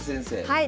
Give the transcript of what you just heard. はい。